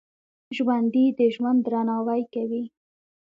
ژوندي د ژوند درناوی کوي